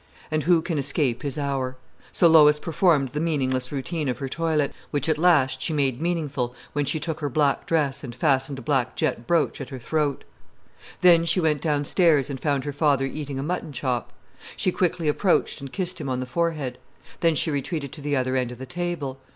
And who can escape his hour? So Lois performed the meaningless routine of her toilet, which at last she made meaningful when she took her black dress, and fastened a black jet brooch at her throat. Then she went downstairs and found her father eating a mutton chop. She quickly approached and kissed him on the forehead. Then she retreated to the other end of the table.